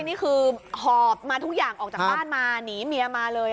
นี่คือหอบมาทุกอย่างออกจากบ้านมาหนีเมียมาเลย